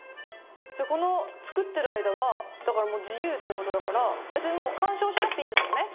この作ってる間はだからもう自由って事だから別にもう干渉しなくていいんですもんね。